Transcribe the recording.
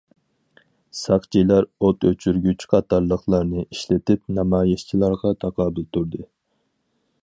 ساقچىلار ئوت ئۆچۈرگۈچ قاتارلىقلارنى ئىشلىتىپ، نامايىشچىلارغا تاقابىل تۇردى.